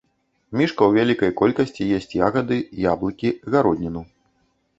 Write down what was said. Мішка ў вялікай колькасці есць ягады, яблыкі, гародніну.